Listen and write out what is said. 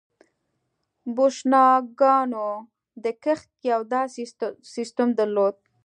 بوشنګانو د کښت یو داسې سیستم درلود